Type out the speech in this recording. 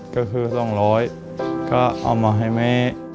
ก็คือ๒๐๐ก็เอามาให้แม่